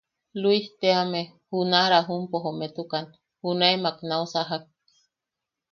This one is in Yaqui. Luis teame, junaʼa Rajumpo jometukan, junaemak nau sajak.